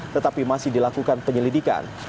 tetapi masih dilakukan penyelidikan